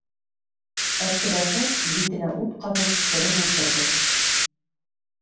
- Әптеләхәт, битенә ут ҡабып, тороп ултырҙы.